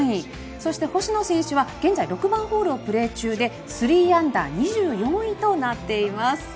そして星野選手は現在６番ホールをプレー中で３アンダー２４位となっています。